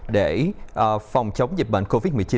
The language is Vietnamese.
để phòng chống dịch bệnh covid một mươi chín